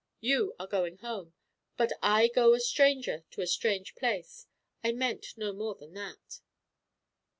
You are going home, but I go a stranger to a strange place; I meant no more than that."